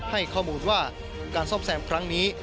ให้ข้อมูลว่าการซ่อมแซมครั้งนี้